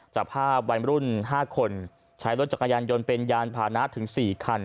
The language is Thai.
จับภาพวัยรุ่น๕คนใช้รถจักรยานยนต์เป็นยานพานะถึง๔คัน